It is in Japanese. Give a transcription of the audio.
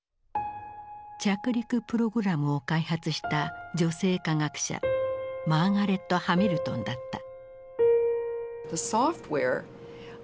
着陸プログラムを開発した女性科学者マーガレット・ハミルトンだった。